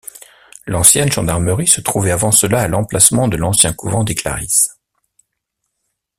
L'ancienne gendarmerie se trouvait avant cela à l’emplacement de l'ancien couvent des Clarisses.